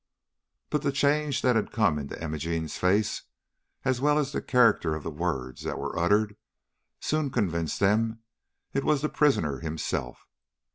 But the change that had come into Imogene's face, as well as the character of the words that were uttered, soon convinced them it was the prisoner himself.